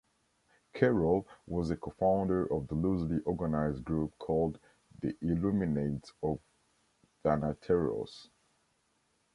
Carroll was a co-founder of the loosely organized group called the Illuminates of Thanateros.